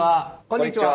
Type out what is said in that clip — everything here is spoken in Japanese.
こんにちは。